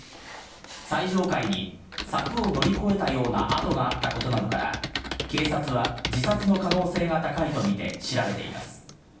最上階に柵を乗り越えたような跡があったことなどから、警察は自殺の可能性が高いと見て調べています。